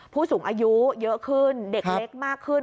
ผู้สูงอายุเยอะขึ้นเด็กเล็กมากขึ้น